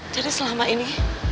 jadi selama ini